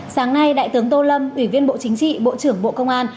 sáng nay đại tướng tô lâm ủy viên bộ chính trị bộ trưởng bộ công an